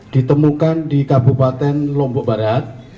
ditemukan di kabupaten lombok barat